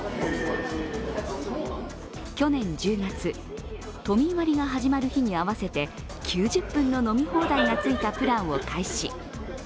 去年１０月、都民割が始まる日に合わせて９０分の飲み放題がついたプランを開始。